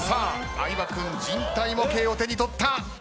相葉君人体模型を手に取った。